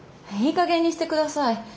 いいかげんにして下さい。